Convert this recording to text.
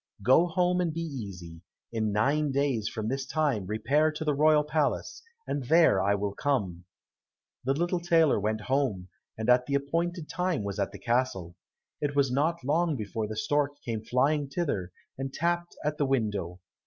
Go home and be easy. In nine days from this time repair to the royal palace, and there will I come." The little tailor went home, and at the appointed time was at the castle. It was not long before the stork came flying thither and tapped at the window.